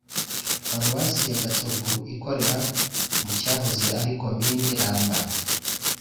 paruwasi ya gatovu ikorera mu cyahozeari komini ramba